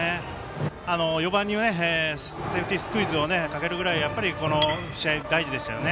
４番にセーフティースクイズをかけるぐらい、この試合やっぱり大事でしたよね。